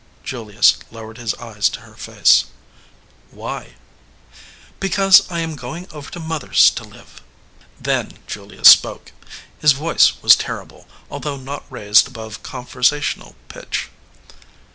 Julius lowered his eyes to her face. "Why?" "Because I am going over to mother s to live." Then Julius spoke. His voice was terrible, al though not raised above conversational pitch.